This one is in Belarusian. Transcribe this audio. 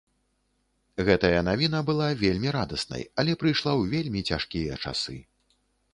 Гэтая навіна была вельмі радаснай, але прыйшла ў вельмі цяжкія часы.